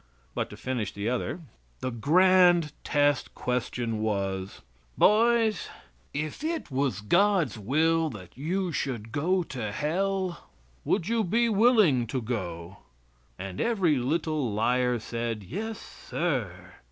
But to finish the other. The grand test question was: "Boys, if it was God's will that you should go to Hell, would you be willing to go?" And every little liar said: "Yes, sir."